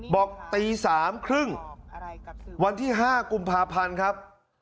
บอกตี๓๓๐วันที่๕กุมภาพันธ์ครับ